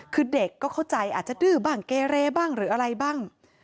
คือเด็กก็เข้าใจอาจจะดื้อบ้างเกเรบ้างหรืออะไรบ้าง